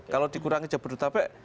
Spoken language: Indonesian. kalau dikurangi jabodetabek